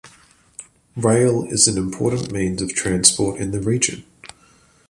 Rail is an important means of transport in the region.